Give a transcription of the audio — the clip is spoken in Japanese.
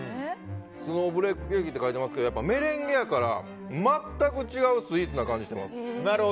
スノーフレークケーキって書いてありますけどメレンゲやから全く違うスイーツな感じがしてます。